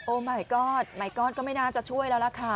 โอ้มายก็อดก็ไม่น่าจะช่วยแล้วล่ะค่ะ